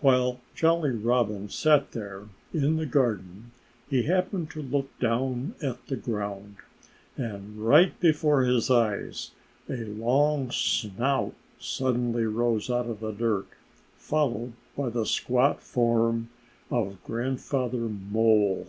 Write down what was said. While Jolly Robin sat there in the garden he happened to look down at the ground. And right before his eyes a long snout suddenly rose out of the dirt, followed by the squat form of Grandfather Mole.